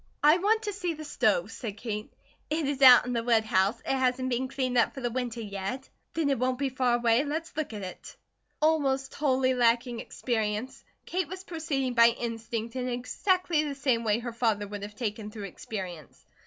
"I want to see the stove," said Kate. "It is out in the woodhouse. It hasn't been cleaned up for the winter yet." "Then it won't be far away. Let's look at it." Almost wholly lacking experience, Kate was proceeding by instinct in exactly the same way her father would have taken through experience.